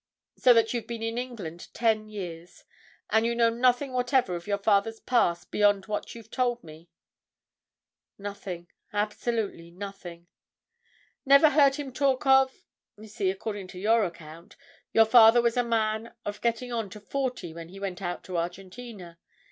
"So that you've been in England ten years. And you know nothing whatever of your father's past beyond what you've told me?" "Nothing—absolutely nothing." "Never heard him talk of—you see, according to your account, your father was a man of getting on to forty when he went out to Argentina.